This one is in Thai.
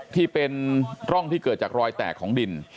ที่เป็นร่องที่เกิดจากรอยแตกของดิน